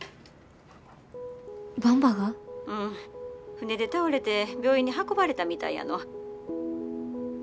船で倒れて病院に運ばれたみたいやの。